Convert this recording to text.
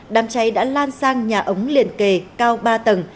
đám cháy đã lan sang nhà ống liền kề cao ba tầng